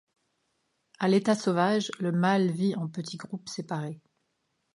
À l'état sauvage, le mâle vit en petits groupes séparés.